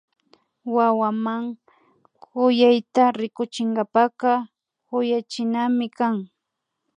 Wawaman kuyayta rikuchinkapaka kuyachinami kan